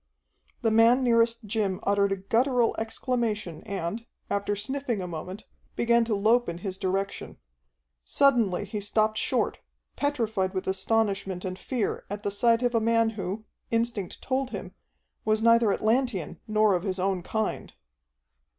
The man nearest Jim uttered a guttural exclamation and, after sniffing a moment, began to lope in his direction. Suddenly he stopped short, petrified with astonishment and fear at the sight of a man who, instinct told him, was neither Atlantean nor of his own kind.